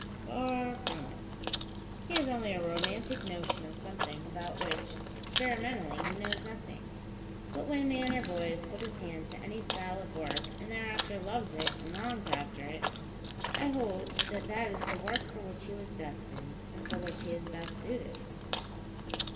Far from it. He has only a romantic notion of something about which, experimentally, he knows nothing; but, when man or boy has put his hand to any style of work, and thereafter loves it and longs after it, I hold that that is the work for which he was destined, and for which he is best suited."